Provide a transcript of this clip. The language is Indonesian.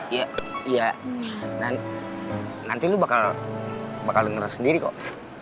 iya iya nanti lo bakal denger sendiri kok